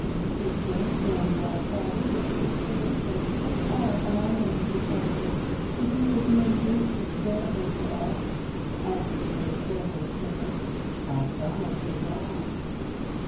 He thinks Mamzelle Paddy would be the solution of all our nursery troubles, if you could be induced to spare her to us. I would be very careful of her; I promise you that!"